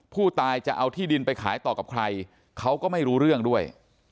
ผู้ตายจะเอาที่ดินไปขายต่อกับใครเขาก็ไม่รู้เรื่องด้วย